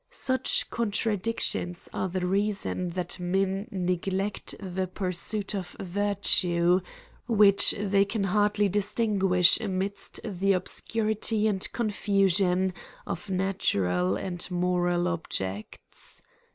Such contradictions are the reason that men neglect the pursuit of virtue, which they can hardly distin guish amidst the obscuiity and confusion of natu ral and moral objects.